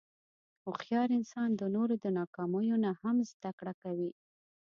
هوښیار انسان د نورو د ناکامیو نه هم زدهکړه کوي.